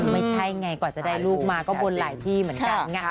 ไม่ใช่ไงกว่าจะได้ลูกมาก็บนหลายที่เหมือนกัน